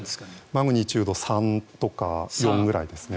マグニチュード３とか４くらいですね。